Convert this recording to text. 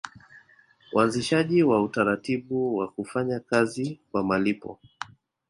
Uanzishaji wa utaratibu wa kufanya kazi kwa malipo